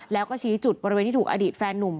แล้วก็ชี้จุดบริเวณที่ถูกอดีตแฟนนุ่ม